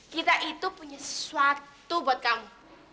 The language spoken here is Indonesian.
kita itu punya sesuatu buat kamu